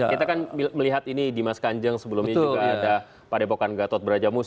kita kan melihat ini di mas kanjeng sebelumnya juga ada pak depokan gatot brajamus